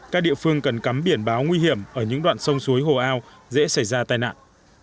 các địa phương cần cắm biển báo nguy hiểm ở những đoạn sông suối hồ ao dễ xảy ra tai nạn